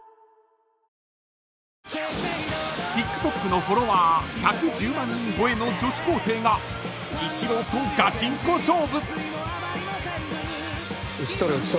［ＴｉｋＴｏｋのフォロワー１１０万人超えの女子高生がイチローとガチンコ勝負］打ち取れ打ち取れ。